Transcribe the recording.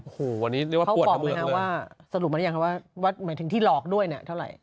โอ้โหวันนี้เรียกว่าปวดระเบิดเลยเขาบอกไหมฮะว่าสรุปมาได้ยังไหมว่าว่าหมายถึงที่หลอกด้วยน่ะเท่าไหร่